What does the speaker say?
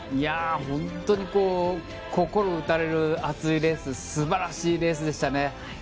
本当に心を打たれる熱いレース素晴らしいレースでしたね。